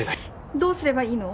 どうすればいいの？